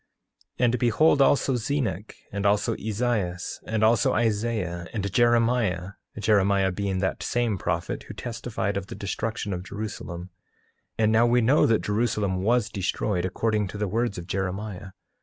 8:20 And behold, also Zenock, and also Ezias, and also Isaiah, and Jeremiah, (Jeremiah being that same prophet who testified of the destruction of Jerusalem) and now we know that Jerusalem was destroyed according to the words of Jeremiah.